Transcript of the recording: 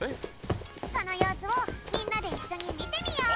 そのようすをみんなでいっしょにみてみよう！